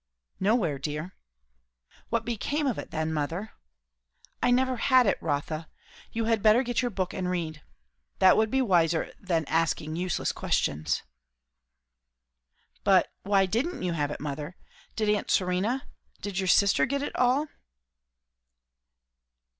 "Nowhere, dear." "What became of it then, mother?" "I never had it, Rotha. You had better get your book and read. That would be wiser than asking useless questions." "But why didn't you have it, mother? Did aunt Serena did your sister get it all?"